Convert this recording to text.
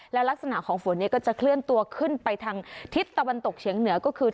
และลักษณะของฝนก็จะเคลื่อนตัวขึ้นไปทางทิศตะวันตกเฉียงเหนือก็คือ